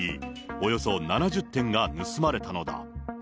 およそ７０点が盗まれたのだ。